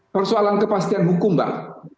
persoalan kepastian hukum mbak